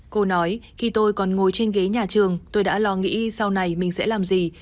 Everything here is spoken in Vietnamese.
cô nói khi tôi còn ngồi trên ghế nhà trường tôi đã lo nghĩ sau này mình sẽ làm gì